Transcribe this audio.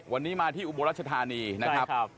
วันนี้มาที่อุบลรัชธานีนะครับ